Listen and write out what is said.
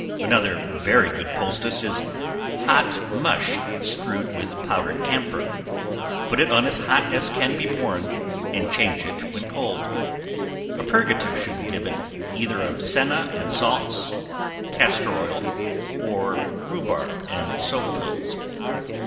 Another very good poultice, is hot mush strewed with powdered camphor; put it on as hot as can be borne, and change it when cold. A purgative should be given, either of senna and salts, castor oil; or rhubarb and soap pills.